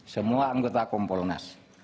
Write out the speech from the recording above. semua anggota kompolnas